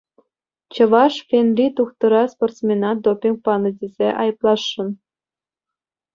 Чӑваш фенри тухтӑра спортсмена допинг панӑ тесе айӑпласшӑн.